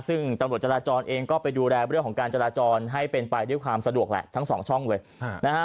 ซึ่งตำรวจจราจรเองก็ไปดูแลเรื่องของการจราจรให้เป็นไปด้วยความสะดวกแหละทั้งสองช่องเลยนะฮะ